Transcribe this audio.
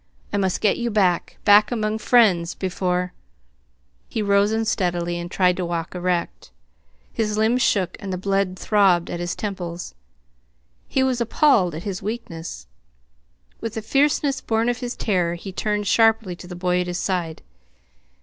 "I must get you back back among friends, before " He rose unsteadily, and tried to walk erect. His limbs shook, and the blood throbbed at his temples. He was appalled at his weakness. With a fierceness born of his terror he turned sharply to the boy at his side.